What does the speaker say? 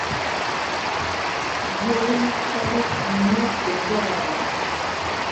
Yeyithori iñee peyari